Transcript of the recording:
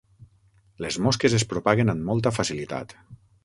Les mosques es propaguen amb molta facilitat.